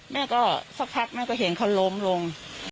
แม่ก็สักพักแม่ก็เห็นเขาล้มลง